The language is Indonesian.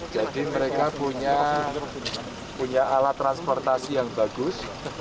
jadi mereka punya alat transportasi yang bagus